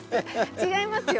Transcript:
違いますよ。